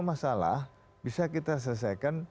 masalah bisa kita selesaikan